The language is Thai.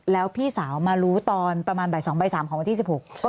แล้วพี่สาวมารู้ตอนประมาณใบ๒ใบ๓ของวันที่๑๖